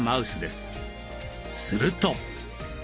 すると。